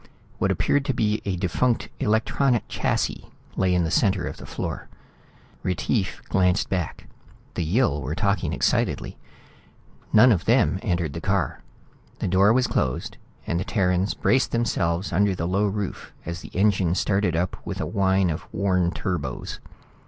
What appeared to be a defunct electronic chassis lay in the center of the floor. Retief glanced back. The Yill were talking excitedly. None of them entered the car. The door was closed, and the Terrans braced themselves under the low roof as the engine started up with a whine of worn turbos.